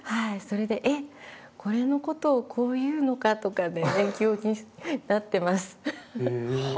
それで「えっ！これの事をこう言うのか！」とかね勉強になってます。